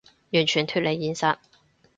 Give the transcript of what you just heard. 完全脫離現實